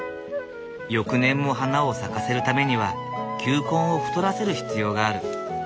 翌年も花を咲かせるためには球根を太らせる必要がある。